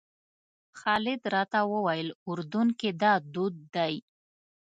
خالد راته وویل اردن کې دا دود دی.